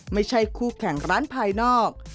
ไม่ใช่คู่แข่งร้านภายนอก